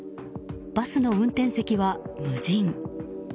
バスの運転席は無人。